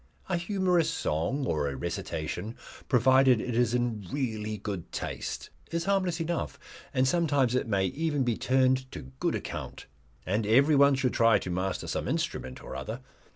A humorous song or a recitation provided it is in really good taste is harmless enough, and sometimes it may even be turned to good account. And everyone should try to master some instrument or other.